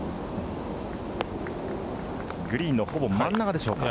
グリーンのほぼ真ん中でしょうか。